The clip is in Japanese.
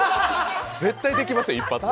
絶対できますよ、一発で。